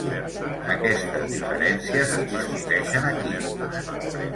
Aquestes diferències es discuteixen aquí.